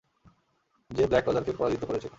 যে ব্ল্যাক রজারকে পরাজিত করেছিল।